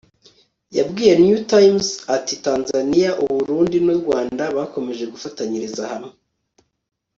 yabwiye new times ati tanzania, u burundi n'u rwanda bakomeje gufatanyiriza hamwe